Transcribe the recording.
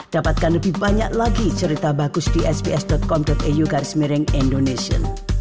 dapatkan lebih banyak lagi cerita bagus di sbs com au garis miring indonesia